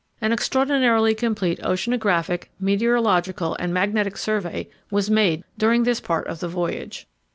An extraordinarily complete oceanographical, meteorological, and magnetic survey was made during this part of the voyage.